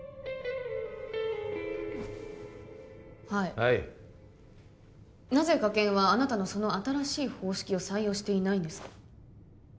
はいなぜ科検はあなたのその新しい方式を採用していないんですか？